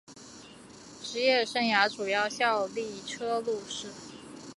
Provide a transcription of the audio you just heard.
职业生涯主要效力车路士。